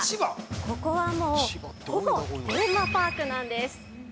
ここはもうほぼテーマパークなんです。